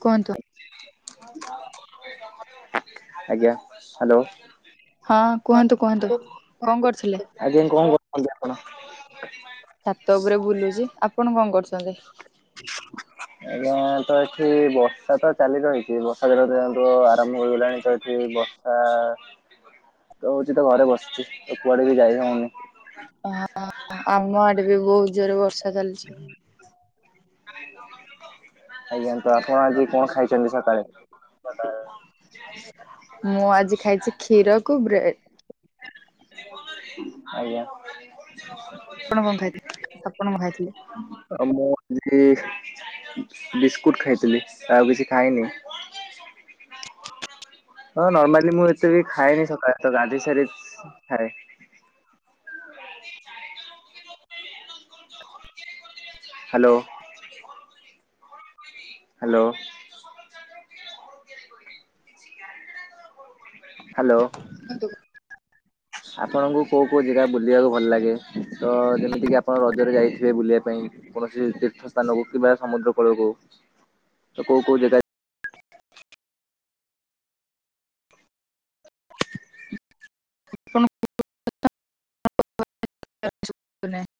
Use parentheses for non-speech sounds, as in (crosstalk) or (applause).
କନ (unintelligible) ଆଜ୍ଞା। ହ୍ୟାଲୋ (unintelligible) ହଁ କୁହନ୍ତୁ ଆଜ୍ଞା କୁହନ୍ତୁ କଣ କର ଛାତ ଉପରେ ବୁଲୁଚି। ଆପଣ କଣ କରୁଛନ୍ତି? ଆଜ୍ଞା ତ ଏଠି ବର୍ଷା ତ ଚାଲି ରହିଛି। ବର୍ଷା (unintelligible) ଆରମ୍ଭ ହୋଇଇଗଲାଣି। ତ ଏଠି ବ ଆ ଶୀତ ହଉଛି ତ ଘରେ ବସିଛି। ତ କୁଆଡେ ବି ଯାଇ ହଉନି। (unintelligible) ଆମ ଆଡେ ବି ବହୁତ ଜୋରେ ବର୍ଷା ଚାଲିଛି। (unintelligible) ଆଜ୍ଞା ତ ଆପଣ ଆଜି କଣ ଖାଇଛନ୍ତି ସକାଳେ? ମୁଁ ଆଜି ଖାଇଛି କ୍ଷୀରକୁୁ ବ୍ରେଡ଼ ଆଜ୍ଞା। ଆପଣ କଣ ଖାଇଥିଲେ। ଆପଣ କଣ ଖାଇଥିଲେ? ଆମ ମୁଁ କି ବିସ୍କୁଟ୍ ଖାଇଥିଲି। ଆଉ କିଛି ଖାଇନି। ହଁ ନର୍ମାଲି ମୁଁ ଏତେ ବି ଖାଏନି ସକାଳେ ତ ଗାଧେଇସାରି ଖାଏ। ହ୍ୟାଲୋ। ହ୍ୟାଲୋ। ହ୍ୟାଲୋ। ଆପଣଙ୍କୁ କୋଉ କୋଉ ଜାଗା ବୁଲିବାକୁ ଭଲ ଲାଗେ। ତ ଯେମିତିକି ଆପଣ ରଜରେ ଯାଇଥିବେ ବୁଲିବା ପାଇଁ? କୌଣସି ତୀର୍ଥ ସ୍ଥାନ କୁ କିମ୍ବା ସମୁଦ୍ର କୂଳକୁ। ତ କୋଉ କୋଉ ଜାଗା (inaudible) (unintelligible)